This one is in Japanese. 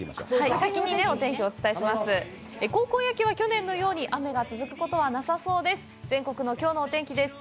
高校野球は去年のように雨が続くことはなさそうです。